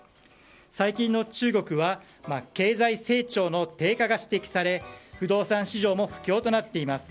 最近の中国は経済成長の低下が指摘され不動産市場も不況となっています。